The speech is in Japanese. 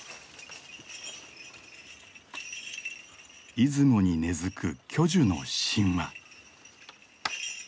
出雲に根づく巨樹の神話。